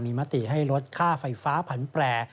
มีมติให้ลดค่าไฟฟ้าผันแปร